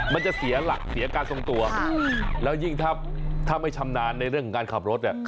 มันจะเสียหลักเสียการทรงตัวแล้วยิ่งถ้าไม่ชำนาญในเรื่องของการขับรถเนี่ย